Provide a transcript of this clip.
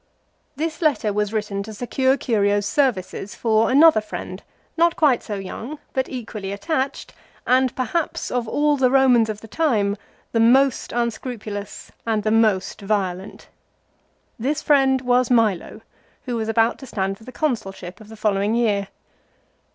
This letter was written to secure Curio's services for an B c 53 ^ ner friend not quite so young, but equally attached, setat.54. an( j p^apg O f a u the Eomans of the time the most unscrupulous and the most violent. This friend was Milo, who was about to stand for the Consulship of the following year.